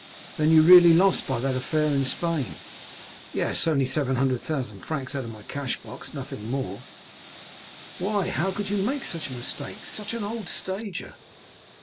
"Then you really lost by that affair in Spain?" "Yes; only 700,000 francs out of my cash box—nothing more!" "Why, how could you make such a mistake—such an old stager?"